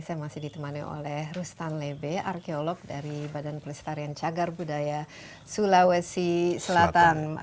saya masih ditemani oleh rustan lebe arkeolog dari badan pelestarian cagar budaya sulawesi selatan